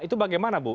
itu bagaimana bu